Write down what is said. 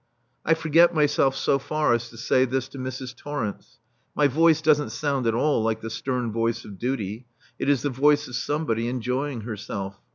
I forget myself so far as to say this to Mrs. Torrence. My voice doesn't sound at all like the stern voice of duty. It is the voice of somebody enjoying herself.